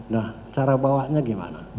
nah cara bawanya gimana